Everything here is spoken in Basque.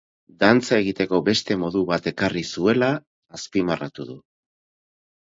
Dantza egiteko beste modu bat ekarri zuela, azpimarratu du.